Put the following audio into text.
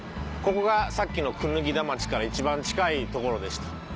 ここがさっきの椚田町から一番近いところでした。